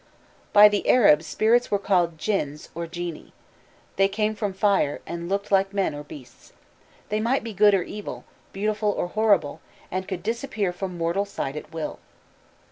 By the Arabs spirits were called Djinns (or genii). They came from fire, and looked like men or beasts. They might be good or evil, beautiful or horrible, and could disappear from mortal sight at will.